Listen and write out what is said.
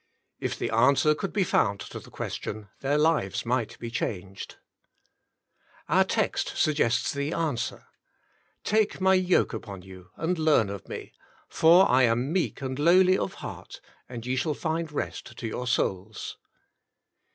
If the answer could be found to the question, their lives might be changed. Our text suggests the answer :" Take My yoke upon you and learn of Me; for I am meek and lowly of heart; and ye shall find rest to your souls.'